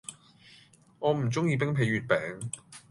我唔鍾意冰皮月餅